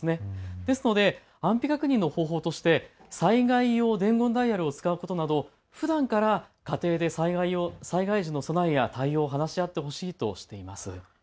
ですので安否確認の方法として災害用伝言ダイヤルなどを使うことを、ふだんから家庭で災害時の備えや対応を話し合ってほしいとしています。